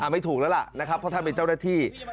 ไม่ถูกแล้วล่ะนะครับเพราะท่านเป็นเจ้าหน้าที่